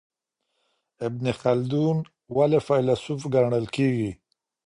ابن خلدون ولي فیلسوف ګڼل کیږي؟